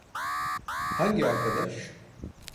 Hangi arkadaş?